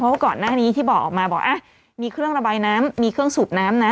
เพราะว่าก่อนหน้านี้ที่บอกออกมาบอกมีเครื่องระบายน้ำมีเครื่องสูบน้ำนะ